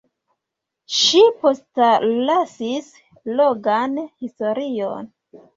Ŝi postlasis longan historion.